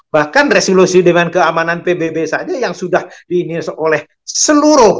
bahkan resolusi dengan keamanan pbb saja yang sudah diinir oleh seluruh